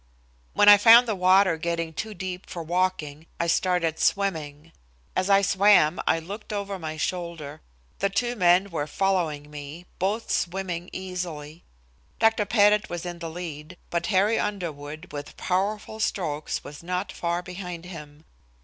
When I found the water getting too deep for walking I started swimming. As I swam I looked over my shoulder. The two men were following me, both swimming easily. Dr. Pettit was in the lead, but Harry Underwood, with powerful strokes, was not far behind him.